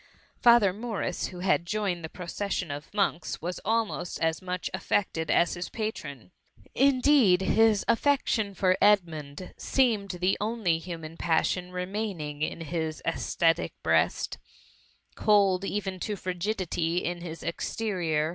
^ Father Morris, who had joined the proces sion of monks, was* almost as much affected as his patron. . Indeed his affection for Edmund seemed the only human passion remaining in VIS run MUMMY. his ascetic breast. Cold even to frigidity in hi exterior.